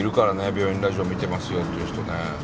「病院ラジオ」見てますよっていう人ね。